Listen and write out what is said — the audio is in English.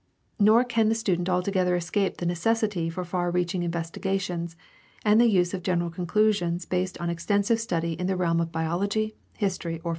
Nor can the student altogether escape the necessity for far reaching investigations and the use of general conclusions based on extensive study in the realm of biology, history, or philosophy.